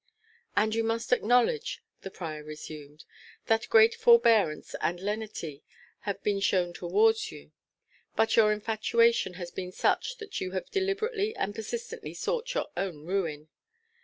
"And you must acknowledge," the prior resumed, "that great forbearance and lenity have been shown towards you. But your infatuation has been such that you have deliberately and persistently sought your own ruin.